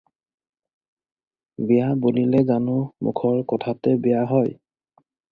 বিয়া বুলিলে জানো মুখৰ কথাতে বিয়া হয়!